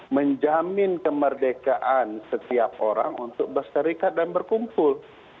menjamin kemerdekaan setiap orang untuk berserikat dan berkumpul